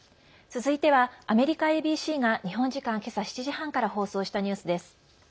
続いてはアメリカＡＢＣが日本時間、今朝７時半から放送したニュースです。